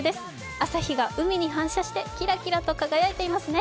朝日が海に反射してキラキラと輝いてますね。